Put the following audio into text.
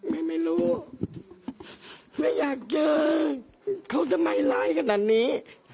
ไม่รู้ไม่อยากเจอเขาทำไมร้ายขนาดนี้